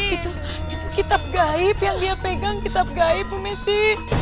itu itu kitab gaib yang dia pegang kitab gaib ibu messi